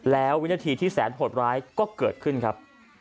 แล้ววินาทีที่แสนหดร้ายก็เกิดขึ้นครับ